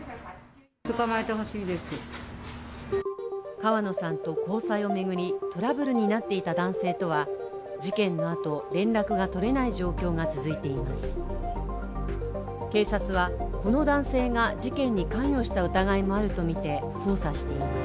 川野さんと交際を巡りトラブルになっていた男性とは事件のあと、連絡が取れない状況が続いています。